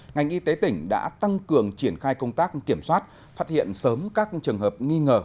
ngành y tế tỉnh đã tăng cường triển khai công tác kiểm soát phát hiện sớm các trường hợp nghi ngờ